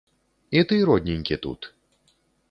І ты, родненькі, тут?